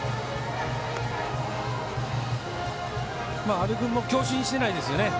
阿部君も強振してないですよね。